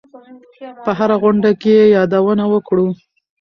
په هره غونډه کې یې یادونه وکړو.